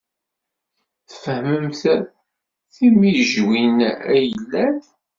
Tfehmemt timijwin ay yellan.